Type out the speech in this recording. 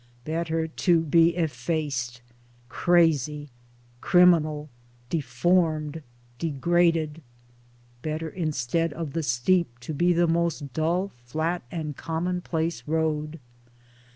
Better to be effaced, crazy, criminal, deformed, degraded. Better instead of the steep to be the most dull flat and commonplace road.